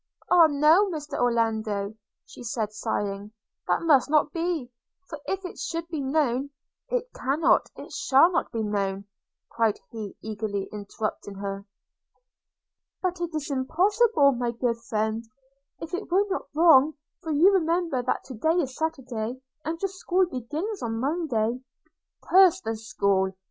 'Ah no, Mr Orlando,' said she sighing, 'that must not be; for if it should be known –' 'It cannot, it shall not be known,' cried he, eagerly interrupting her. 'But it is impossible, my good friend, if it were not wrong; for you remember that to day is Saturday, and your school begins on Monday.' 'Curse on the school!